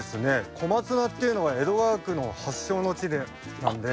小松菜っていうのは江戸川区の発祥の地なんで。